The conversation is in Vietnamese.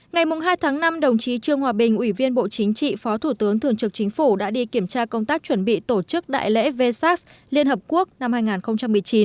ngày hai tháng năm đồng chí trương hòa bình ủy viên bộ chính trị phó thủ tướng thường trực chính phủ đã đi kiểm tra công tác chuẩn bị tổ chức đại lễ v sac liên hợp quốc năm hai nghìn một mươi chín